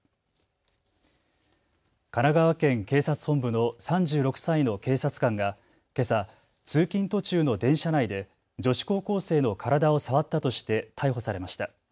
神奈川県警察本部の３６歳の警察官が、けさ通勤途中の電車内で女子高校生の体を触ったとして逮捕されました。